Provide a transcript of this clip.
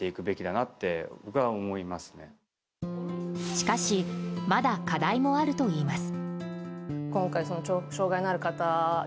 しかしまだ課題もあるといいます。